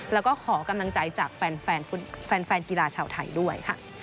แล้วก็ขอกำลังใจจากแฟนกีฬาชาวไทยด้วยค่ะ